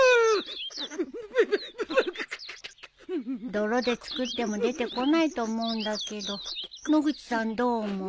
泥で作っても出てこないと思うんだけど野口さんどう思う？